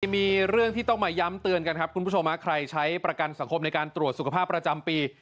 มีเรื่องที่ต้องมาย้ำเตือนกันครับคุณผู้ชมใครใช้ประกันสังคมในการตรวจสุขภาพประจำปี